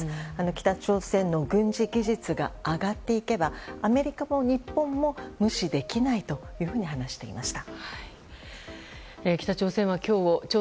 北朝鮮の軍事技術が上がっていけばアメリカも日本も無視できないというふうに話していました。